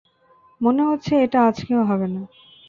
মনে হচ্ছে এটা আজকেও হবে না।